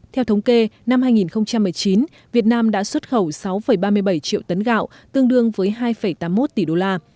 theo thống kê năm hai nghìn một mươi chín việt nam đã xuất khẩu sáu ba mươi bảy triệu tấn gạo tương đương với hai tám mươi một tỷ đô la